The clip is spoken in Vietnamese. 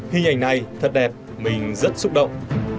hình ảnh này thật đẹp mình rất xúc động